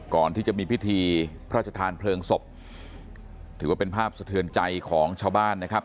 ก่อนที่จะมีพิธีพระราชทานเพลิงศพถือว่าเป็นภาพสะเทือนใจของชาวบ้านนะครับ